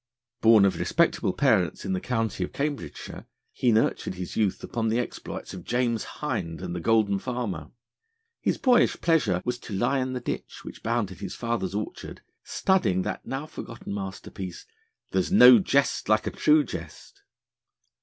Born of respectable parents in the County of Cambridgeshire, he nurtured his youth upon the exploits of James Hind and the Golden Farmer. His boyish pleasure was to lie in the ditch, which bounded his father's orchard, studying that now forgotten masterpiece, 'There's no Jest like a True Jest.'